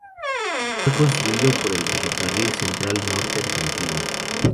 Fue construido por el Ferrocarril Central Norte Argentino.